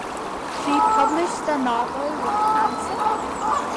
She published the novel Which Answer?